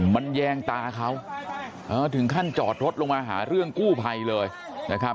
มันแยงตาเขาถึงขั้นจอดรถลงมาหาเรื่องกู้ภัยเลยนะครับ